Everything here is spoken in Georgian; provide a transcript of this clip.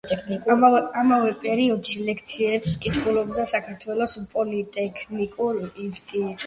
ამავე პერიოდში ლექციებს კითხულობდა საქართველოს პოლიტექნიკურ ინსტიტუტში.